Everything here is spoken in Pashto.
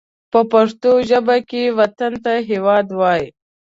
په پښتو ژبه کې وطن ته هېواد وايي